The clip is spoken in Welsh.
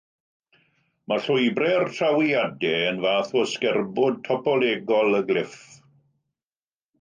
Mae llwybrau'r trawiadau yn fath o ysgerbwd topolegol y glyff.